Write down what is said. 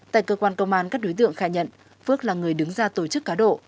tại cơ quan công an các đối tượng khai nhận phước là người đứng ra tổ chức cá độ